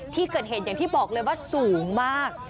ที่เกิดเหตุอย่างที่บอกเลยว่าสูงมาก